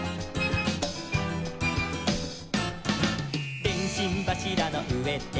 「でんしんばしらの上で」